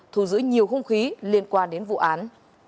thu giữ nhiều hung khí liên quan đến vụ án